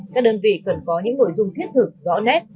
các đơn vị cần có những nội dung thiết thực rõ nét